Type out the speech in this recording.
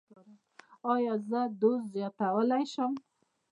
ایا زه دوز زیاتولی شم؟